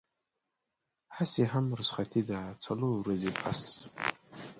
هسې هم رخصتي ده څلور ورځې بس.